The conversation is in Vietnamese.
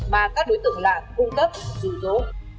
mà các đối tượng lại cung cấp dù dố